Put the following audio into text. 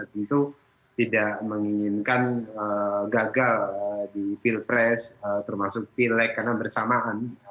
tentu tidak menginginkan gagal di pilpres termasuk pilek karena bersamaan